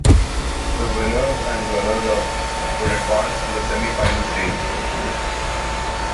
The winners and runners up would advance to the semi-final stage.